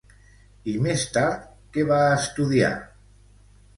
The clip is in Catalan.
I més tard, què va estudiar?